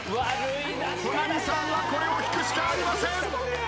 保奈美さんはこれを引くしかありません！